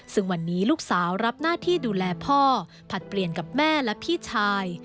ซึ่งวันนี้ลูกสาวรับหน้าที่ดูแลพ่อผลัดเปลี่ยนกับแม่และพี่ชาย